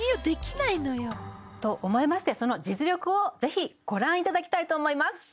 はいと思いましてその実力をぜひご覧いただきたいと思います